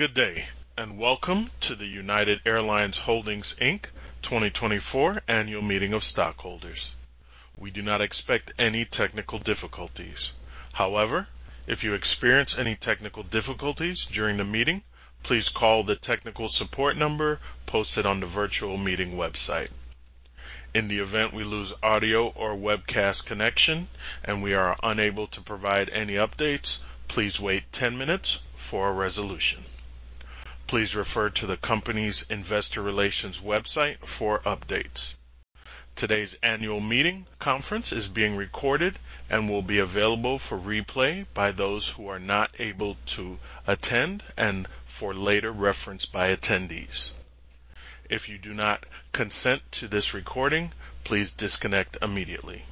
Good day, and welcome to the United Airlines Holdings, Inc. 2024 Annual Meeting of Stockholders. We do not expect any technical difficulties. However, if you experience any technical difficulties during the meeting, please call the technical support number posted on the virtual meeting website. In the event we lose audio or webcast connection and we are unable to provide any updates, please wait 10 minutes for a resolution. Please refer to the company's investor relations website for updates. Today's annual meeting conference is being recorded and will be available for replay by those who are not able to attend and for later reference by attendees. If you do not consent to this recording, please disconnect immediately.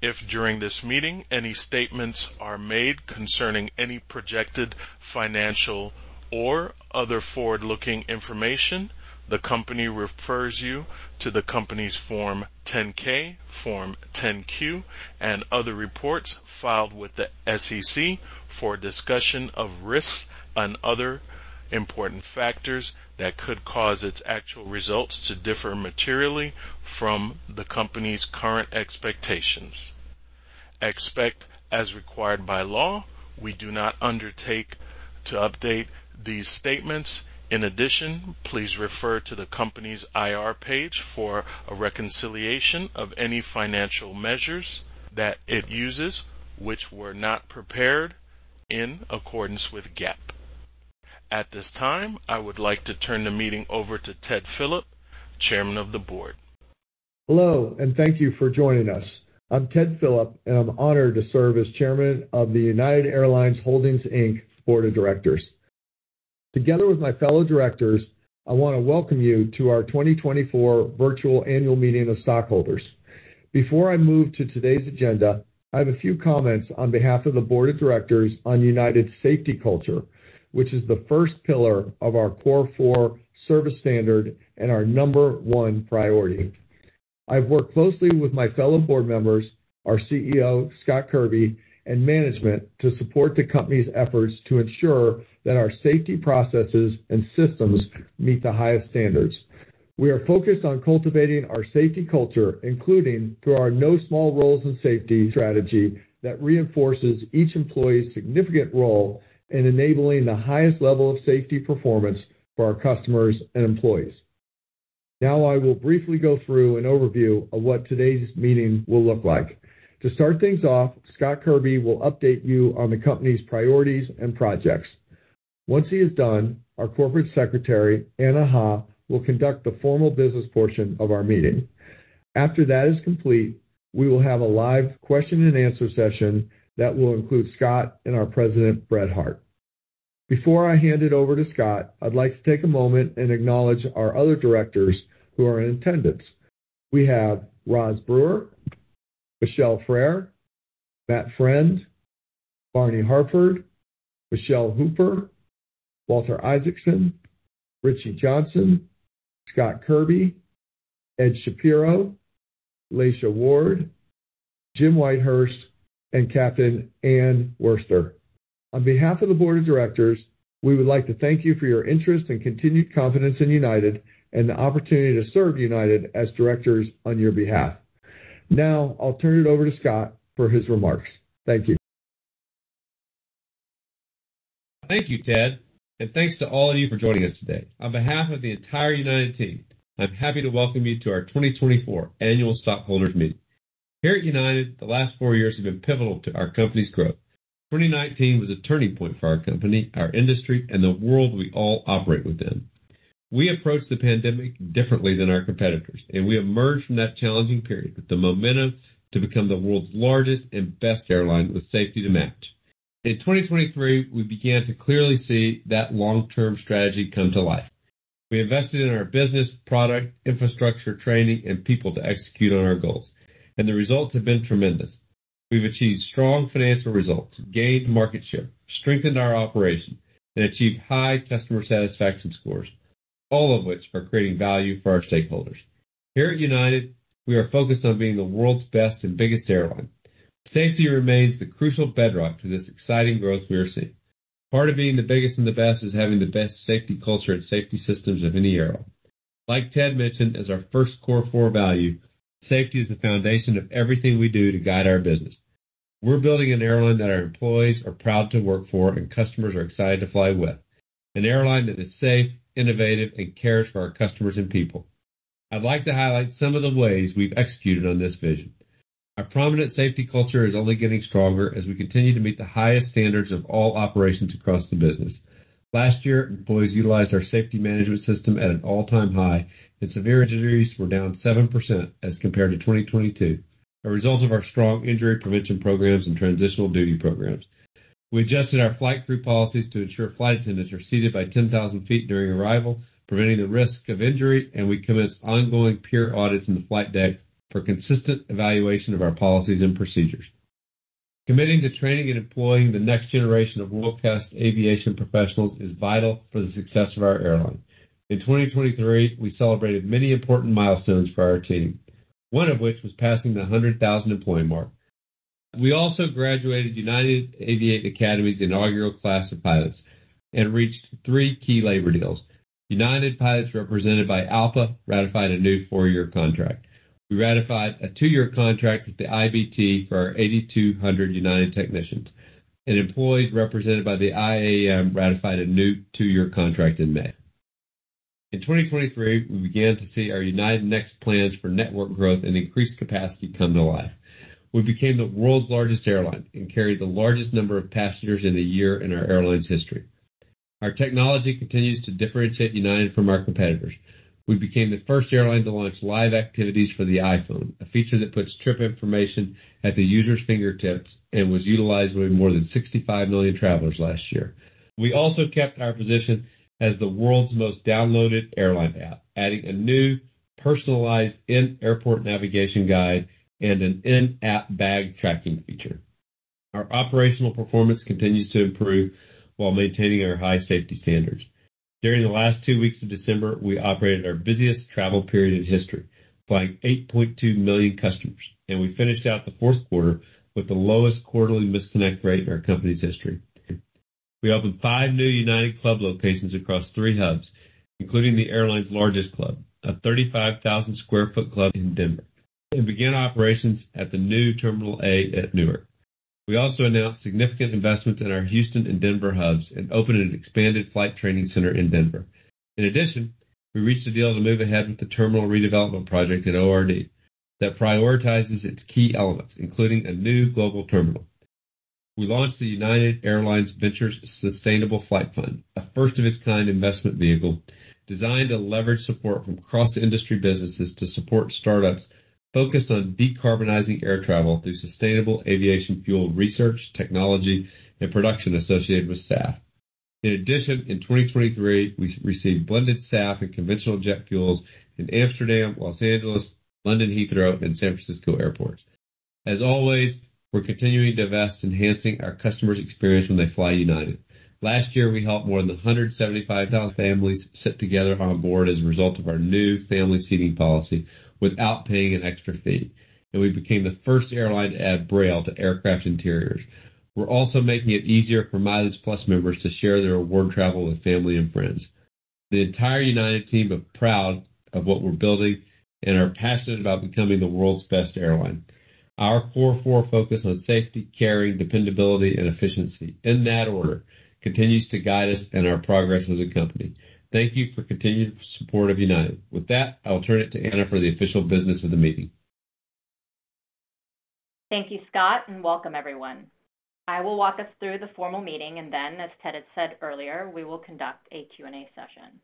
If during this meeting, any statements are made concerning any projected financial or other forward-looking information, the company refers you to the company's Form 10-K, Form 10-Q, and other reports filed with the SEC for a discussion of risks and other important factors that could cause its actual results to differ materially from the company's current expectations. Except, as required by law, we do not undertake to update these statements. In addition, please refer to the company's IR page for a reconciliation of any financial measures that it uses, which were not prepared in accordance with GAAP. At this time, I would like to turn the meeting over to Ted Philip, Chairman of the Board. Hello, and thank you for joining us. I'm Ted Philip, and I'm honored to serve as Chairman of the United Airlines Holdings, Inc. Board of Directors. Together with my fellow directors, I want to welcome you to our 2024 virtual Annual Meeting of Stockholders. Before I move to today's agenda, I have a few comments on behalf of the Board of Directors on United's safety culture, which is the first pillar of our Core Four service standard and our number one priority. I've worked closely with my fellow board members, our CEO, Scott Kirby, and management to support the company's efforts to ensure that our safety processes and systems meet the highest standards. We are focused on cultivating our safety culture, including through our No Small Roles in Safety strategy that reinforces each employee's significant role in enabling the highest level of safety performance for our customers and employees. Now, I will briefly go through an overview of what today's meeting will look like. To start things off, Scott Kirby will update you on the company's priorities and projects. Once he is done, our Corporate Secretary, Anna Ha, will conduct the formal business portion of our meeting. After that is complete, we will have a live question-and-answer session that will include Scott and our President, Brett Hart. Before I hand it over to Scott, I'd like to take a moment and acknowledge our other directors who are in attendance. We have Roz Brewer, Michelle Freyre, Matt Friend, Barney Harford,, Walter Isaacson, Michele Hooper, Richard Johnsen, Scott Kirby, Ed Shapiro, Laysha Ward, Jim Whitehurst, and Captain Anne Worster. On behalf of the board of directors, we would like to thank you for your interest and continued confidence in United and the opportunity to serve United as directors on your behalf. Now, I'll turn it over to Scott for his remarks. Thank you. Thank you, Ted, and thanks to all of you for joining us today. On behalf of the entire United team, I'm happy to welcome you to our 2024 Annual Stockholders Meeting. Here at United, the last four years have been pivotal to our company's growth. 2019 was a turning point for our company, our industry, and the world we all operate within. We approached the pandemic differently than our competitors, and we emerged from that challenging period with the momentum to become the world's largest and best airline, with safety to match. In 2023, we began to clearly see that long-term strategy come to life. We invested in our business, product, infrastructure, training, and people to execute on our goals, and the results have been tremendous. We've achieved strong financial results, gained market share, strengthened our operation, and achieved high customer satisfaction scores, all of which are creating value for our stakeholders. Here at United, we are focused on being the world's best and biggest airline. Safety remains the crucial bedrock to this exciting growth we are seeing. Part of being the biggest and the best is having the best safety culture and safety systems of any airline. Like Ted mentioned, as our first Core Four value, safety is the foundation of everything we do to guide our business. We're building an airline that our employees are proud to work for and customers are excited to fly with. An airline that is safe, innovative, and cares for our customers and people. I'd like to highlight some of the ways we've executed on this vision. Our prominent safety culture is only getting stronger as we continue to meet the highest standards of all operations across the business. Last year, employees utilized our safety management system at an all-time high, and severe injuries were down 7% as compared to 2022, a result of our strong injury prevention programs and transitional duty programs. We adjusted our flight crew policies to ensure flight attendants are seated by 10,000 feet during arrival, preventing the risk of injury, and we commenced ongoing peer audits in the flight deck for consistent evaluation of our policies and procedures. Committing to training and employing the next generation of world-class aviation professionals is vital for the success of our airline. In 2023, we celebrated many important milestones for our team, one of which was passing the 100,000 employee mark. We also graduated United Aviate Academy's inaugural class of pilots and reached three key labor deals. United Pilots, represented by ALPA, ratified a new 4-year contract. We ratified a 2-year contract with the IBT for our 8,200 United technicians, and employees represented by the IAM ratified a new 2-year contract in May. In 2023, we began to see our United Next plans for network growth and increased capacity come to life. We became the world's largest airline and carried the largest number of passengers in a year in our airline's history. Our technology continues to differentiate United from our competitors. We became the first airline to launch Live Activities for the iPhone, a feature that puts trip information at the user's fingertips and was utilized by more than 65 million travelers last year. We also kept our position as the world's most downloaded airline app, adding a new personalized in-airport navigation guide and an in-app bag tracking feature. Our operational performance continues to improve while maintaining our high safety standards. During the last two weeks of December, we operated our busiest travel period in history, flying 8.2 million customers, and we finished out the fourth quarter with the lowest quarterly misconnect rate in our company's history. We opened five new United Club locations across three hubs, including the airline's largest club, a 35,000 sq ft club in Denver, and began operations at the new Terminal A at Newark. We also announced significant investments in our Houston and Denver hubs and opened an expanded flight training center in Denver. In addition, we reached a deal to move ahead with the terminal redevelopment project at ORD that prioritizes its key elements, including a new global terminal. We launched the United Airlines Ventures Sustainable Flight Fund, a first of its kind investment vehicle designed to leverage support from cross-industry businesses to support startups focused on decarbonizing air travel through sustainable aviation fuel research, technology, and production associated with SAF. In addition, in 2023, we received blended SAF and conventional jet fuels in Amsterdam, Los Angeles, London Heathrow, and San Francisco airports. As always, we're continuing to invest, enhancing our customers' experience when they fly United. Last year, we helped more than 175,000 families sit together on board as a result of our new family seating policy without paying an extra fee, and we became the first airline to add Braille to aircraft interiors. We're also making it easier for MileagePlus members to share their award travel with family and friends. The entire United team are proud of what we're building and are passionate about becoming the world's best airline. Our Core Four focus on safety, caring, dependability, and efficiency, in that order, continues to guide us and our progress as a company. Thank you for continued support of United. With that, I'll turn it to Anna for the official business of the meeting. Thank you, Scott, and welcome everyone. I will walk us through the formal meeting, and then, as Ted had said earlier, we will conduct a Q&A session.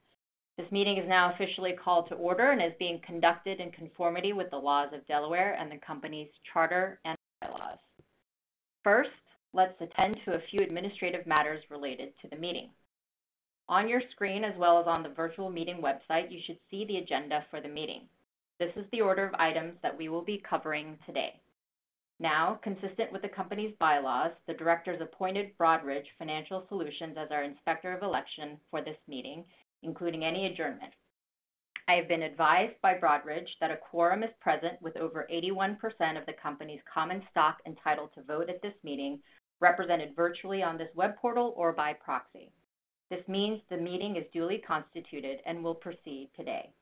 This meeting is now officially called to order and is being conducted in conformity with the laws of Delaware and the company's charter and bylaws. First, let's attend to a few administrative matters related to the meeting. On your screen, as well as on the virtual meeting website, you should see the agenda for the meeting. This is the order of items that we will be covering today. Now, consistent with the company's bylaws, the directors appointed Broadridge Financial Solutions as our inspector of election for this meeting, including any adjournment. I have been advised by Broadridge that a quorum is present with over 81% of the company's common stock entitled to vote at this meeting, represented virtually on this web portal or by proxy. This means the meeting is duly constituted and will proceed today.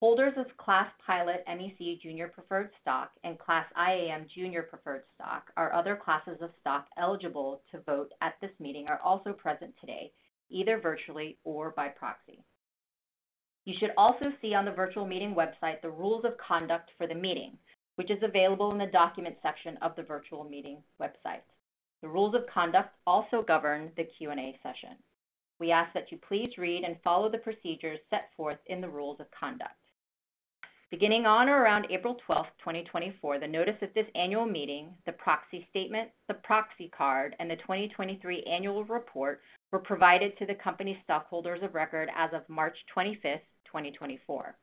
Holders of Class Pilot MEC Junior Preferred Stock and Class IAM Junior Preferred Stock, which are other classes of stock eligible to vote at this meeting, are also present today, either virtually or by proxy. You should also see on the virtual meeting website the rules of conduct for the meeting, which is available in the documents section of the virtual meeting website. The rules of conduct also govern the Q&A session. We ask that you please read and follow the procedures set forth in the rules of conduct. Beginning on or around April 12, 2024, the notice of this annual meeting, the proxy statement, the proxy card, and the 2023 annual report were provided to the company's stockholders of record as of March 25, 2024.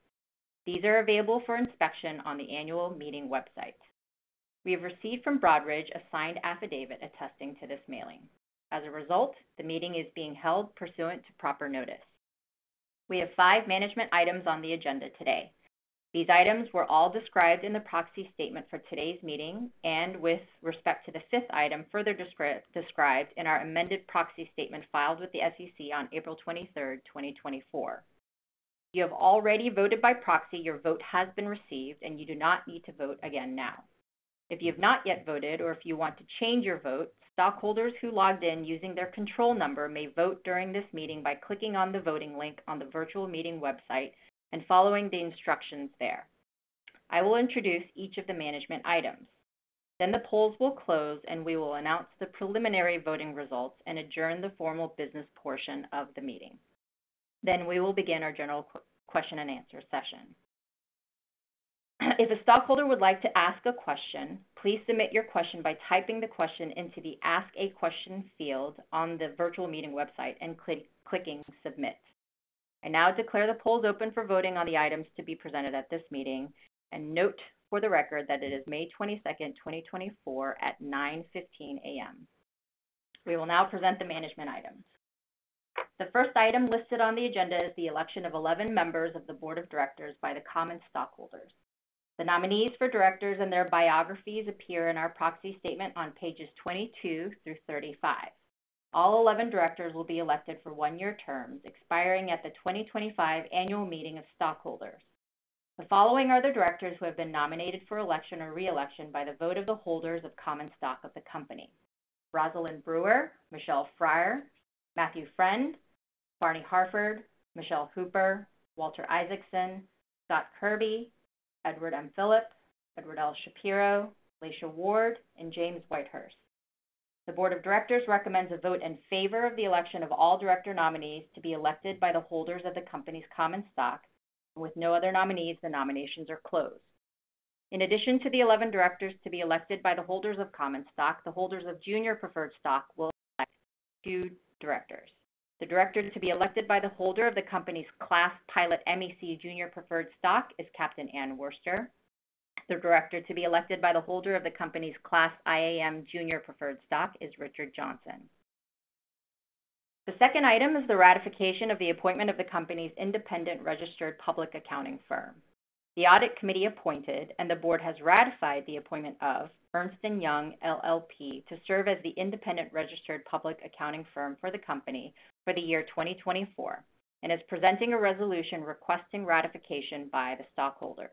These are available for inspection on the annual meeting website. We have received from Broadridge a signed affidavit attesting to this mailing. As a result, the meeting is being held pursuant to proper notice. We have five management items on the agenda today. These items were all described in the proxy statement for today's meeting and with respect to the fifth item, further described in our amended proxy statement filed with the SEC on April 23, 2024. If you have already voted by proxy, your vote has been received, and you do not need to vote again now. If you have not yet voted or if you want to change your vote, stockholders who logged in using their control number may vote during this meeting by clicking on the voting link on the virtual meeting website and following the instructions there. I will introduce each of the management items. Then the polls will close, and we will announce the preliminary voting results and adjourn the formal business portion of the meeting. Then we will begin our general question and answer session. If a stockholder would like to ask a question, please submit your question by typing the question into the Ask a Question field on the virtual meeting website and clicking Submit. I now declare the polls open for voting on the items to be presented at this meeting, and note for the record that it is May 22, 2024, at 9:00 A.M. We will now present the management items. The first item listed on the agenda is the election of 11 members of the board of directors by the common stockholders. The nominees for directors and their biographies appear in our proxy statement on pages 22 through 35. All 11 directors will be elected for 1-year terms, expiring at the 2025 annual meeting of stockholders. The following are the directors who have been nominated for election or reelection by the vote of the holders of common stock of the company: Rosalind G. Brewer, Michelle Freyre, Matthew Friend, Barney Harford, Michele J. Hooper, Walter Isaacson, Scott Kirby, Edward M. Philip, Edward L. Shapiro, Laysha Ward, and James M. Whitehurst. The board of directors recommends a vote in favor of the election of all director nominees to be elected by the holders of the company's common stock. With no other nominees, the nominations are closed. In addition to the 11 directors to be elected by the holders of common stock, the holders of junior preferred stock will elect two directors. The director to be elected by the holder of the company's Class Pilot MEC Junior Preferred Stock is Captain Anne Worster. The director to be elected by the holder of the company's Class IAM Junior Preferred Stock is Richard Johnsen. The second item is the ratification of the appointment of the company's independent registered public accounting firm. The audit committee appointed, and the board has ratified the appointment of Ernst & Young LLP to serve as the independent registered public accounting firm for the company for the year 2024 and is presenting a resolution requesting ratification by the stockholders.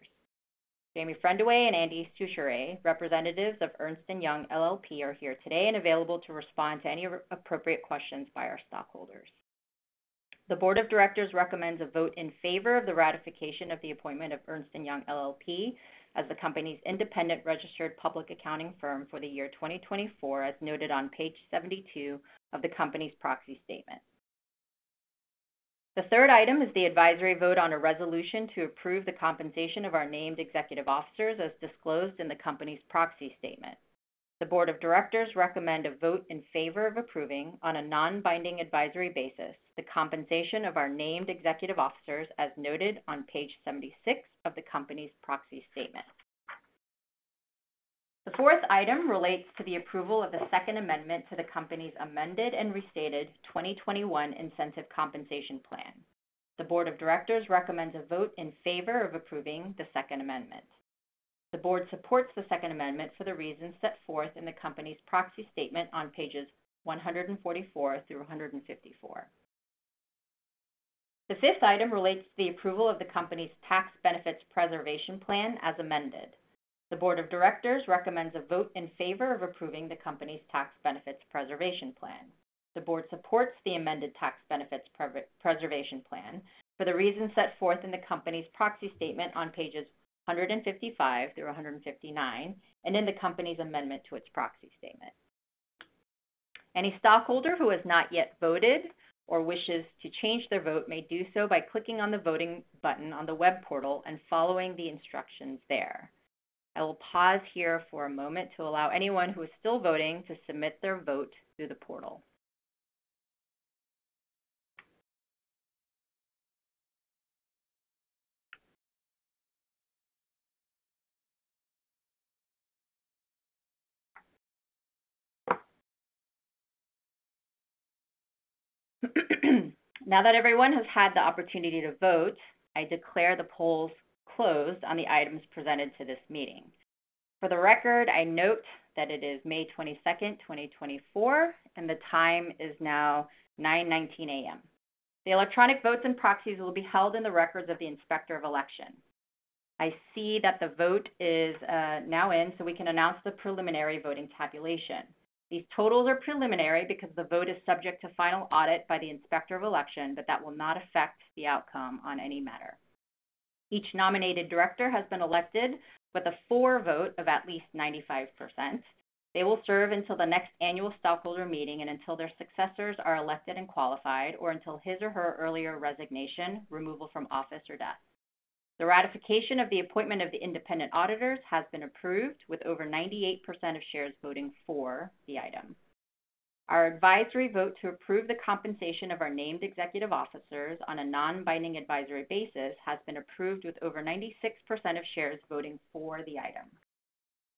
Jamey Treadaway and Andy Stuchly, representatives of Ernst & Young LLP, are here today and available to respond to any appropriate questions by our stockholders. The board of directors recommends a vote in favor of the ratification of the appointment of Ernst & Young LLP as the company's independent registered public accounting firm for the year 2024, as noted on page 72 of the company's proxy statement. The third item is the advisory vote on a resolution to approve the compensation of our named executive officers, as disclosed in the company's proxy statement. The board of directors recommend a vote in favor of approving, on a non-binding advisory basis, the compensation of our named executive officers, as noted on page 76 of the company's proxy statement. The fourth item relates to the approval of the second amendment to the company's amended and restated 2021 Incentive Compensation Plan. The board of directors recommends a vote in favor of approving the second amendment. The board supports the second amendment for the reasons set forth in the company's proxy statement on pages 144 through 154. The fifth item relates to the approval of the company's Tax Benefits Preservation Plan, as amended. The board of directors recommends a vote in favor of approving the company's Tax Benefits Preservation Plan. The board supports the amended Tax Benefits Preservation Plan for the reasons set forth in the company's proxy statement on pages 155 through 159, and in the company's amendment to its proxy statement. Any stockholder who has not yet voted or wishes to change their vote may do so by clicking on the voting button on the web portal and following the instructions there. I will pause here for a moment to allow anyone who is still voting to submit their vote through the portal. Now that everyone has had the opportunity to vote, I declare the polls closed on the items presented to this meeting. For the record, I note that it is May 22, 2024, and the time is now 9:19 A.M. The electronic votes and proxies will be held in the records of the Inspector of Election. I see that the vote is now in, so we can announce the preliminary voting tabulation. These totals are preliminary because the vote is subject to final audit by the Inspector of Election, but that will not affect the outcome on any matter. Each nominated director has been elected with a for vote of at least 95%. They will serve until the next annual stockholder meeting and until their successors are elected and qualified, or until his or her earlier resignation, removal from office or death. The ratification of the appointment of the independent auditors has been approved, with over 98% of shares voting for the item. Our advisory vote to approve the compensation of our named executive officers on a non-binding advisory basis has been approved, with over 96% of shares voting for the item.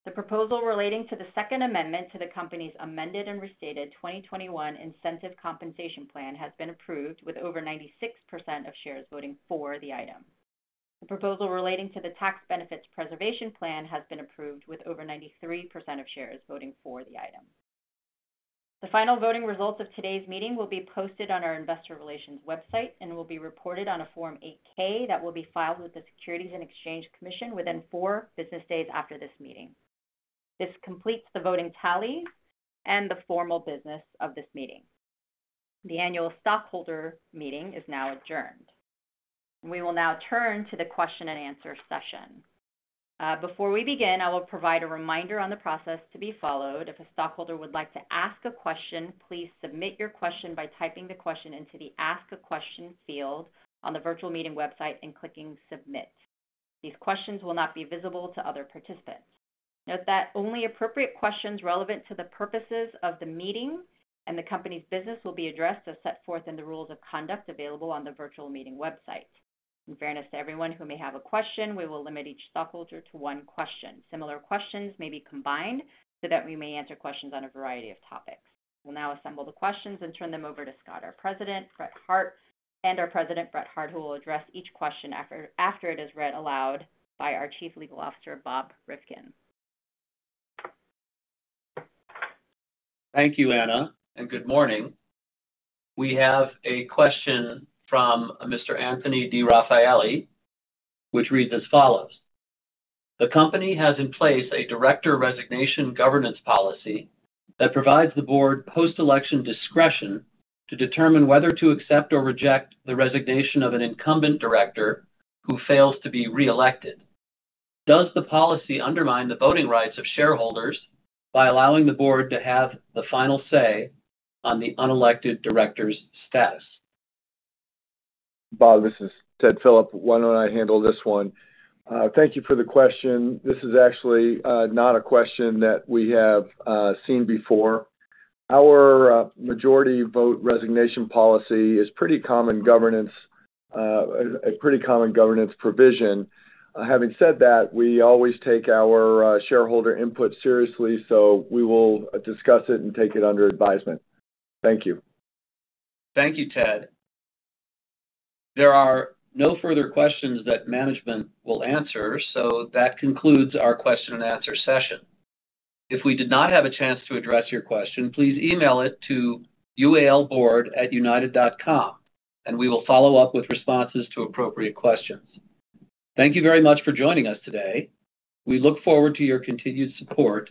The proposal relating to the second amendment to the company's amended and restated 2021 Incentive Compensation Plan has been approved, with over 96% of shares voting for the item. The proposal relating to the Tax Benefits Preservation Plan has been approved, with over 93% of shares voting for the item. The final voting results of today's meeting will be posted on our investor relations website and will be reported on a Form 8-K that will be filed with the Securities and Exchange Commission within four business days after this meeting. This completes the voting tally and the formal business of this meeting. The annual stockholder meeting is now adjourned. We will now turn to the question and answer session. Before we begin, I will provide a reminder on the process to be followed. If a stockholder would like to ask a question, please submit your question by typing the question into the Ask a Question field on the virtual meeting website and clicking Submit. These questions will not be visible to other participants. Note that only appropriate questions relevant to the purposes of the meeting and the company's business will be addressed as set forth in the rules of conduct available on the virtual meeting website.... In fairness to everyone who may have a question, we will limit each stockholder to one question. Similar questions may be combined so that we may answer questions on a variety of topics. We'll now assemble the questions and turn them over to Scott and our President, Brett Hart, who will address each question after it is read aloud by our Chief Legal Officer, Bob Rivkin. Thank you, Anna, and good morning. We have a question from Mr. Anthony DeRaffaele, which reads as follows: The company has in place a director resignation governance policy that provides the board post-election discretion to determine whether to accept or reject the resignation of an incumbent director who fails to be reelected. Does the policy undermine the voting rights of shareholders by allowing the board to have the final say on the unelected director's status? Bob, this is Ted Philip. Why don't I handle this one? Thank you for the question. This is actually not a question that we have seen before. Our majority vote resignation policy is a pretty common governance provision. Having said that, we always take our shareholder input seriously, so we will discuss it and take it under advisement. Thank you. Thank you, Ted. There are no further questions that management will answer, so that concludes our question and answer session. If we did not have a chance to address your question, please email it to ualboard@united.com, and we will follow up with responses to appropriate questions. Thank you very much for joining us today. We look forward to your continued support.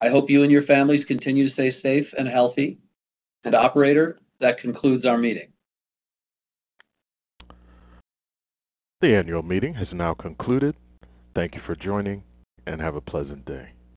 I hope you and your families continue to stay safe and healthy. Operator, that concludes our meeting. The annual meeting has now concluded. Thank you for joining, and have a pleasant day.